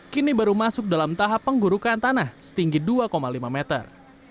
kini baru masuk dalam tahap penggurukan tanah setinggi dua lima meter